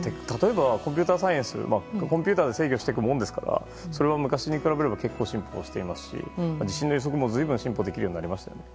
コンピューターサイエンスコンピューターで制御していくものですからそれは昔に比べれば結構進歩してますし地震の予測も進歩してますよね。